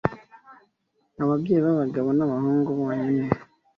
Ababyeyi b’abagabo n’abahungu bonyine